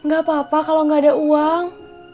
gak apa apa kalau nggak ada uang